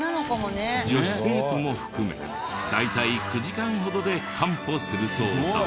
女子生徒も含め大体９時間ほどで完歩するそうだ。